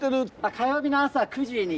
火曜日の朝９時に。